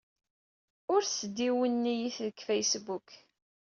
Ur sdiwenniyet deg Facebook.